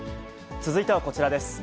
続いてはこちらです。